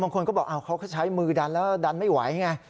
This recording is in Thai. บางคนก็บอกเขาก็ใช้มือดันแล้วดันไม่ไหวไง